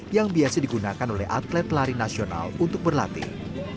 yang biasa digunakan oleh atlet lari nasional untuk berlatih